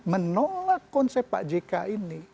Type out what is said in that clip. menolak konsep pak jk ini